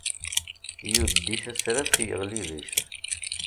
Yuddi tasraft yeɣli deg-s